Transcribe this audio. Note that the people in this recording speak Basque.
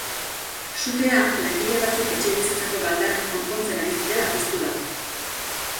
Sutea langile batzuk etxebizitzako galdarak konpontzen ari zirela piztu da.